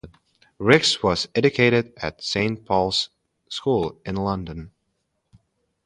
Rix was educated at Saint Paul's School in London.